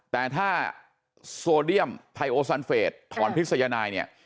แต่ถ้าโซเดียมไทโอซันเฟสถอนพิษยนายเนี่ย